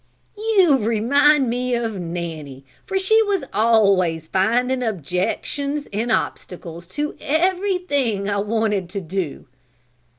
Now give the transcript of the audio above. "You remind me of Nanny, for she was always finding objections and obstacles to everything I wanted to do."